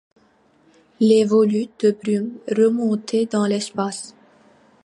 Les volutes de brume remontaient dans l’espace.